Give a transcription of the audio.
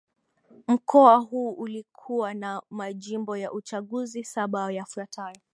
mkoa huu ulikuwa na majimbo ya uchaguzi saba yafuatayo